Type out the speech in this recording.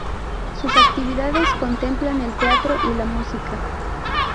Sus actividades contemplan el teatro y la música.